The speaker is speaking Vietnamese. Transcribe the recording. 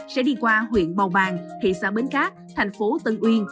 sẽ đi qua huyện bào bàng thị xã bến cát thành phố tân uyên